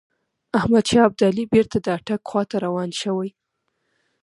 احمدشاه ابدالي بیرته د اټک خواته روان شوی.